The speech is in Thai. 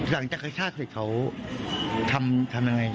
หลังจากครรภาพเสร็จเขาทำทำยังไง